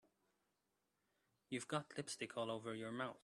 You've got lipstick all over your mouth.